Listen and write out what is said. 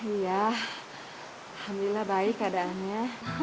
iya alhamdulillah baik keadaannya